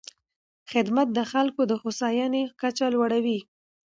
خدمت د خلکو د هوساینې کچه لوړوي.